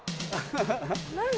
何？